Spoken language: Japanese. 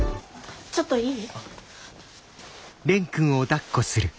ちょっといい？